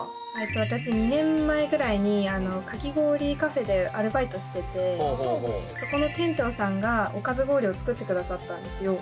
私２年前ぐらいにかき氷カフェでアルバイトしててそこの店長さんがおかず氷を作って下さったんですよ。